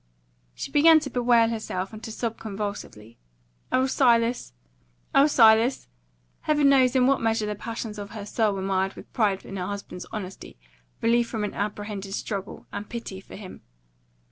She began to bewail herself, and to sob convulsively: "O Silas! O Silas!" Heaven knows in what measure the passion of her soul was mired with pride in her husband's honesty, relief from an apprehended struggle, and pity for him.